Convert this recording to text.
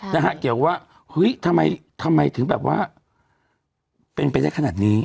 จะเกี่ยวว่าทำไมถึงเป็นไปได้ขนาดนี้